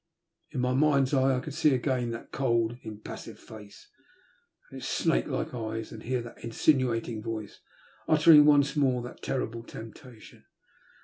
In my mind's eye I could see again that cold, im passive face, with its snake like eyes, and hear that insinuating voice uttering once more that terrible temptation.